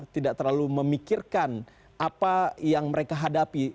tidak terlalu memikirkan apa yang mereka hadapi